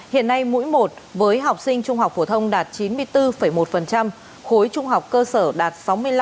hiện nay mũi một với học sinh trung học phổ thông đạt chín mươi bốn một khối trung học cơ sở đạt sáu mươi năm